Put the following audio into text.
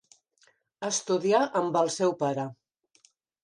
Estudià amb el seu pare.